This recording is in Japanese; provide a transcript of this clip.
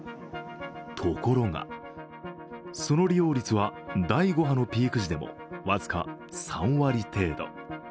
ところが、その利用率は第５波のピーク時でも僅か３割程度。